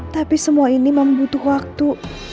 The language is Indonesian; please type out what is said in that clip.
tapi semua ini membutuhkan waktu